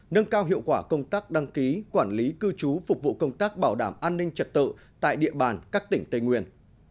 nâng cao hiệu quả công tác đăng ký quản lý cư trú phục vụ công tác bảo đảm an ninh trật tự tại địa bàn các tỉnh tây nguyên